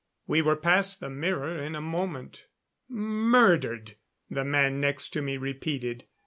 We were past the mirror in a moment. "Murdered," the man next to me repeated.